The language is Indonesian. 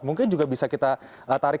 mungkin juga bisa kita tarik